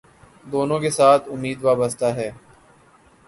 دونوں کے ساتھ امید وابستہ ہے